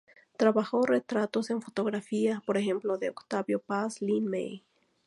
Trabajó retratos en fotografía, por ejemplo de Octavio Paz, Lyn May.